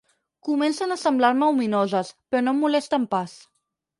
Comencen a semblar-me ominoses, però no em molesten pas.